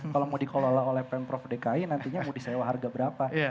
kalau mau dikelola oleh pemprov dki nantinya mau disewa harga berapa